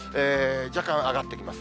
若干上がってきます。